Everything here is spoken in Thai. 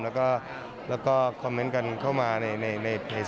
แล้วก็คอมเมนต์กันเข้ามาในเพจ